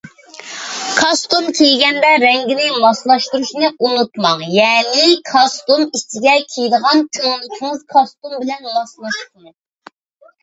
كاستۇم كىيگەندە رەڭگىنى ماسلاشتۇرۇشنى ئۇنتۇماڭ، يەنى كاستۇم ئىچىگە كىيىدىغان كۆڭلىكىڭىز كاستۇم بىلەن ماسلاشسۇن.